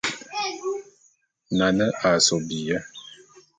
Nane a sob biyé.